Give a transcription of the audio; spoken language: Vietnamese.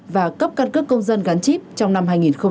và cấp cân cước công dân gắn chip trong năm hai nghìn hai mươi một